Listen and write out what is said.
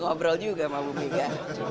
belum ngobrol juga sama ibu mega